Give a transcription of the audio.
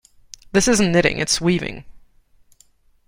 This isn't knitting, its weaving.